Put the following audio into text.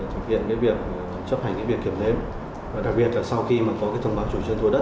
thực hiện cái việc chấp hành cái việc kiểm nếm và đặc biệt là sau khi mà có cái thông báo chủ trường thổi đất